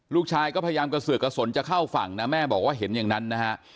ลูกชายก็พยายามกระเสือกกระสนจะเข้าฝั่งนะแม่บอกว่าเห็นอย่างนั้นนะฮะ